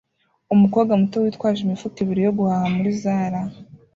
Umukobwa muto yitwaje imifuka ibiri yo guhaha muri Zara